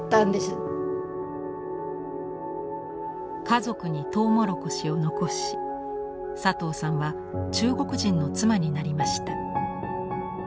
家族にトウモロコシを残し佐藤さんは中国人の妻になりました。